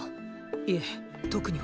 いえ特には。